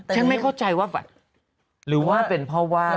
ไม่เข้าใจว่าแบบหรือว่าเป็นเพราะว่า